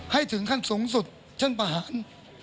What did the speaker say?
ให้ถึงขั้นสูงสุดเช่นประหาร